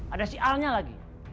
ada si alnya lagi